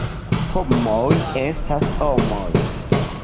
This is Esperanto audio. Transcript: Homoj estas homoj.